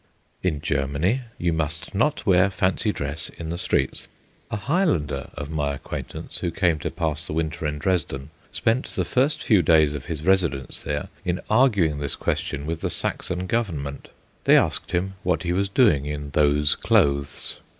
In Germany you must not wear fancy dress in the streets. A Highlander of my acquaintance who came to pass the winter in Dresden spent the first few days of his residence there in arguing this question with the Saxon Government. They asked him what he was doing in those clothes.